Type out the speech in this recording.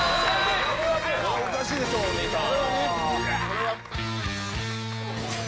それはおかしいでしょ、兄さん。